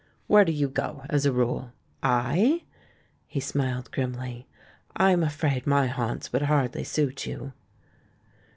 "Where do you go, as a rule?" "I?" He smiled grimly. "I'm afraid my haunts would hardly suit you."